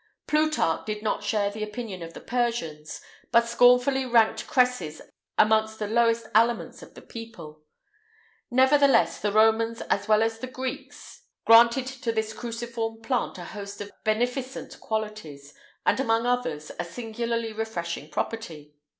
Plutarch did not share the opinion of the Persians, but scornfully ranked cresses amongst the lowest aliments of the people.[IX 208] Nevertheless, the Romans, as well as the Greeks, granted to this cruciform plant a host of beneficent qualities, and among others, a singularly refreshing property.